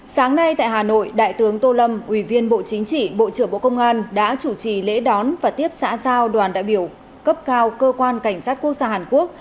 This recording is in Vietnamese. sáng nay tại hà nội đại tướng tô lâm ủy viên bộ chính trị bộ trưởng bộ công an đã chủ trì lễ đón và tiếp xã giao đoàn đại biểu cấp cao cơ quan cảnh sát quốc gia hàn quốc